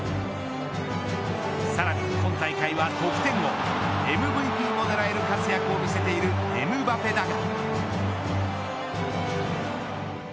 さらに今大会は、得点王ＭＶＰも狙える活躍を見せているエムバペだが。